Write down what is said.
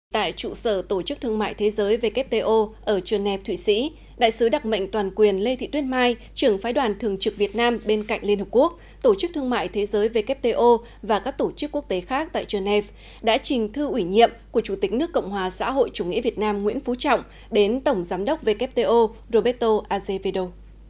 tại trụ sở tổ chức thương mại thế giới wto ở geneva thụy sĩ đại sứ đặc mệnh toàn quyền lê thị tuyết mai trưởng phái đoàn thường trực việt nam bên cạnh liên hợp quốc tổ chức thương mại thế giới wto và các tổ chức quốc tế khác tại geneva đã trình thư ủy nhiệm của chủ tịch nước cộng hòa xã hội chủ nghĩa việt nam nguyễn phú trọng đến tổng giám đốc wto roberto azevedo